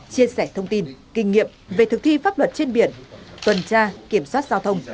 chia sẻ thông tin kinh nghiệm về thực thi pháp luật trên biển tuần tra kiểm soát giao thông